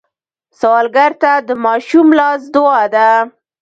سوالګر ته د ماشوم لاس دعا ده